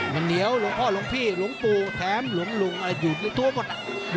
มันเหนียวหลวงพ่อหลวงพี่หลวงปู่แถมหลวงอยู่ในตัวหมด